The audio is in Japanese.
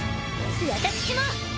私も！